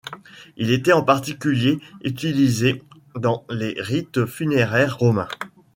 Il était en particulier utilisé dans les rites funéraires romains.